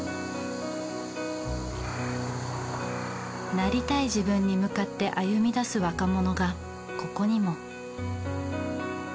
なりたい自分に向かって歩みだす若者がここにも。